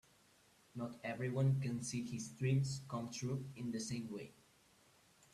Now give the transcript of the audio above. Not everyone can see his dreams come true in the same way.